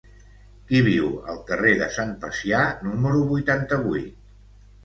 Qui viu al carrer de Sant Pacià número vuitanta-vuit?